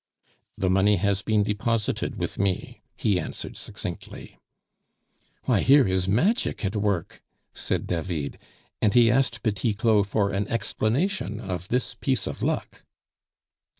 "The money has been deposited with me," he answered succinctly. "Why, here is magic at work!" said David, and he asked Petit Claud for an explanation of this piece of luck.